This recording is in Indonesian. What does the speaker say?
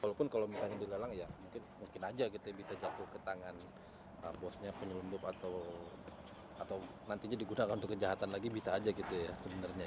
walaupun kalau misalnya dilelang ya mungkin aja kita bisa jatuh ke tangan bosnya penyelundup atau nantinya digunakan untuk kejahatan lagi bisa aja gitu ya sebenarnya